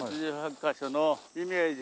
８８カ所のイメージを。